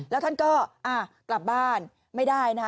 แล้วท่านก็กลับบ้านไม่ได้นะคะ